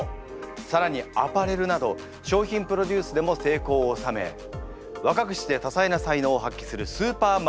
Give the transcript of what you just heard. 更にアパレルなど商品プロデュースでも成功を収め若くして多彩な才能を発揮するスーパーマルチタレントであります。